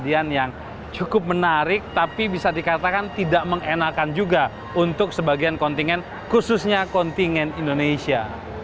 kejadian yang cukup menarik tapi bisa dikatakan tidak mengenakan juga untuk sebagian kontingen khususnya kontingen indonesia